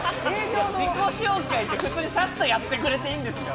自己紹介って普通にサッとやってくれていいんですよ